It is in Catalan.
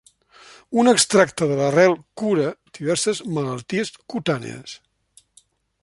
Un extracte de l'arrel cura diverses malalties cutànies.